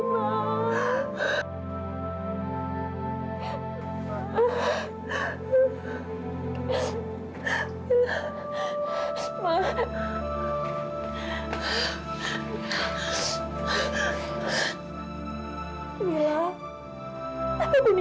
milla nggak mencuri mba